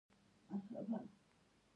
افغانستان کې د سلیمان غر په اړه زده کړه.